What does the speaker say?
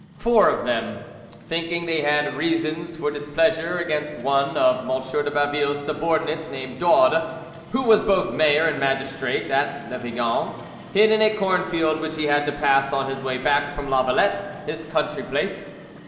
Four of them, thinking they had reasons for displeasure against one of M. de Baville's subordinates, named Daude, who was both mayor and magistrate; at Le Vigan, hid in a corn field which he had to pass on his way back from La Valette, his country place.